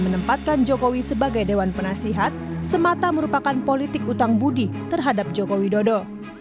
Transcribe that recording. menempatkan jokowi sebagai dewan penasihat semata merupakan politik utang budi terhadap jokowi dodo